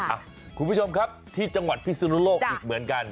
อ่ะคุณผู้ชมครับที่จังหวัดพิสุนุโลกอีกเหมือนกัน